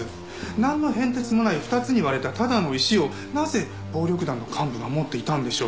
なんの変哲もない２つに割れたただの石をなぜ暴力団の幹部が持っていたんでしょう？